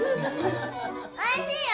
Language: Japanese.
おいしいよ！